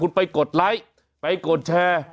คุณไปกดไลค์ไปกดแชร์